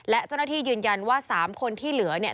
และเจ้าหน้าที่ยืนยันว่า๓คนที่เหลือเนี่ย